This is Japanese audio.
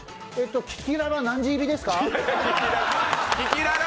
キキララ、何時入りですか？